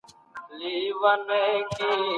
تاسي په اخیرت کي د الله له رحم څخه مننه لرئ.